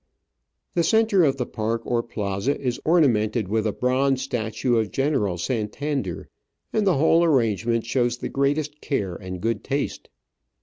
The centre of the park or plaza is ornamented with a bronze statue of General Santander, and the whole arrangement shows the greatest care and good taste.